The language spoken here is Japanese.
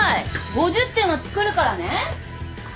５０点は作るからね。